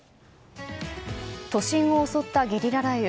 都心を襲ったゲリラ雷雨。